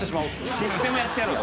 システムやってやろうと。